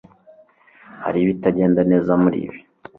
Hariho ibitagenda neza muribi?